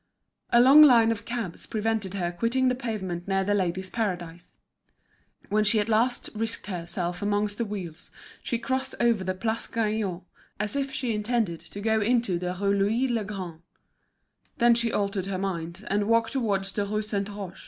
A long line of cabs prevented her quitting the pavement near The Ladies' Paradise. When she at last risked herself amongst the wheels she crossed over the Place Gaillon, as if she intended to go into the Rue Louis le Grand; then she altered her mind, and walked towards the Rue Saint Roch.